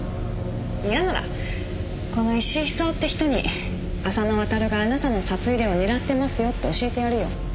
嫌ならこの石井久雄って人に浅野亘があなたの札入れを狙ってますよって教えてやるよ。